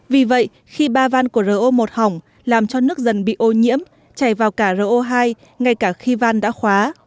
vì vậy khi ba van của ro một hỏng làm cho nước dần bị ô nhiễm chảy vào cả ro hai ngay cả khi van đã khóa